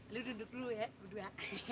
lu duduk dulu ya berdua